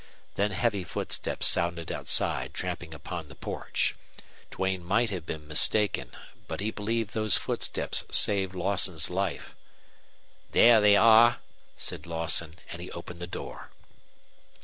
Then heavy footsteps sounded outside tramping upon the porch. Duane might have been mistaken, but he believed those footsteps saved Lawson's life. "There they are," said Lawson, and he opened the door.